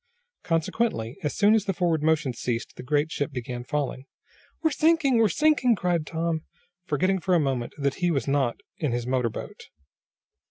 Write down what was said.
Consequently, as soon as the forward motion ceased the great ship began falling. "We're sinking! We're sinking!" cried Tom, forgetting for a moment that he was not in his motor boat.